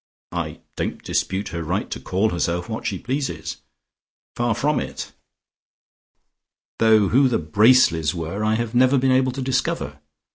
I don't dispute her right to call herself what she pleases: far from it, though who the Bracelys were, I have never been able to discover.